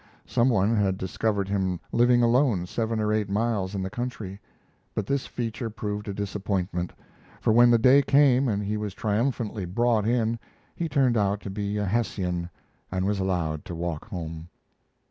Some one had discovered him living alone seven or eight miles in the country. But this feature proved a disappointment; for when the day came and he was triumphantly brought in he turned out to be a Hessian, and was allowed to walk home.